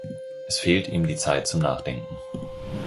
Es fehlt ihm die Zeit zum Nachdenken.